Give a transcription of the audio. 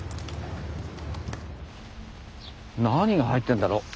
何が入ってんだろう？